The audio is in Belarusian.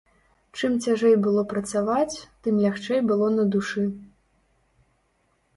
Чым цяжэй было працаваць, тым лягчэй было на душы.